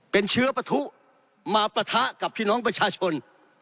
เป็นเชื้อปะทุมาปะทะกับพี่น้องประชาชน